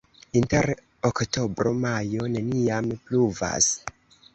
Inter oktobro-majo neniam pluvas.